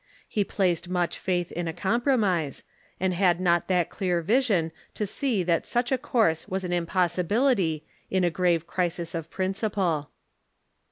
He placed much faith in a compromise, and had not that clear vision to see that such a course was an impossibility in a grave crisis of principle.